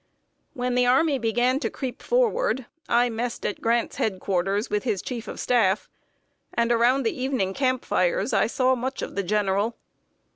When the army began to creep forward, I messed at Grant's head quarters, with his chief of staff; and around the evening camp fires I saw much of the general.